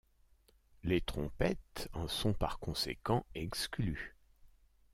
Les trompettes en sont par conséquent exclues.